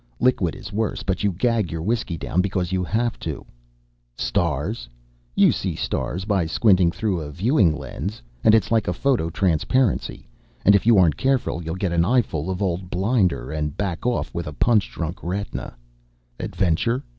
Liquid is worse, but you gag your whiskey down because you have to. Stars? you see stars by squinting through a viewing lens, and it's like a photo transparency, and if you aren't careful, you'll get an eyeful of Old Blinder and back off with a punch drunk retina. Adventure?